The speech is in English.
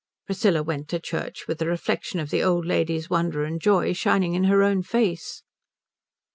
Priscilla went to church with the reflection of the old lady's wonder and joy shining in her own face.